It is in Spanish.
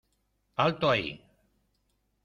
¡ alto ahí!...